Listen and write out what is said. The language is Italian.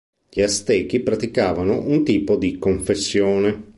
Gli Aztechi praticavano un tipo di confessione.